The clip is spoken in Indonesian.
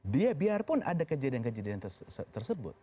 dia biarpun ada kejadian kejadian tersebut